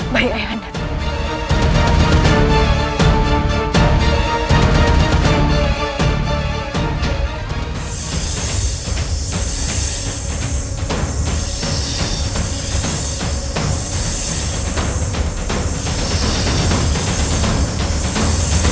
baik ayah anda